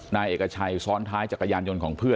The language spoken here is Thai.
นายเอกชัยซ้อนท้ายจักรยานยนต์ของเพื่อน